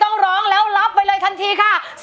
ลภงโอกเล่าค่ะ